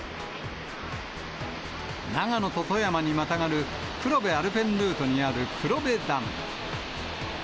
長野と富山にまたがる黒部アルペンルートにある黒部ダム。